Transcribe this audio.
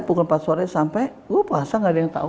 pukul empat sore sampai gue puasa gak ada yang tahu